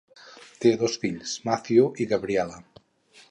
Té dos fills, Matthew i Gabriella.